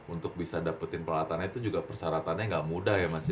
untuk bisa dapetin pelatannya itu juga persyaratannya nggak mudah ya mas ya